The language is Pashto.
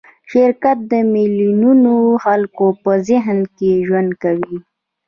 شرکت د میلیونونو خلکو په ذهن کې ژوند کوي.